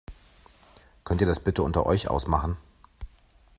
Könnt ihr das bitte unter euch ausmachen?